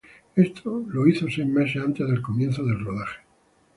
Esto lo hizo seis meses antes del comienzo del rodaje.